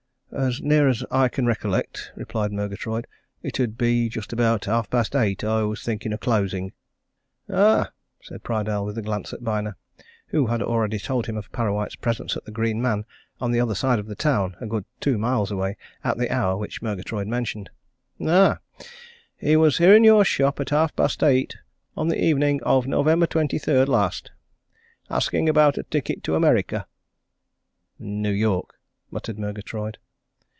"As near as I can recollect," replied Murgatroyd, "it 'ud be just about half past eight. I was thinking of closing." "Ah!" said Prydale, with a glance at Byner, who had already told him of Parrawhite's presence at the Green Man on the other side of the town, a good two miles away, at the hour which Murgatroyd mentioned. "Ah! he was here in your shop at half past eight on the evening of November 23rd last? Asking about a ticket to America?" "New York," muttered Murgatroyd.